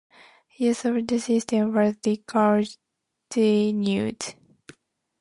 Use of the system was discontinued.